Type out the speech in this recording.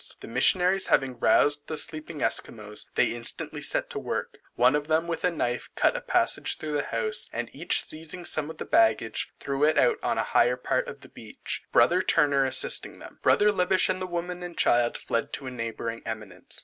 The missionaries having roused the sleeping Esquimaux, they instantly set to work, One of them with a knife cut a passage through the house, and each seizing some part of the baggage, threw it out on a higher part of the beach; brother Turner assisting them. Brother Liebisch and the woman and child fled to a neighbouring eminence.